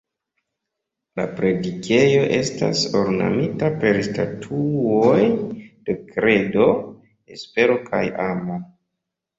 La predikejo estas ornamita per statuoj de Kredo, Espero kaj Amo.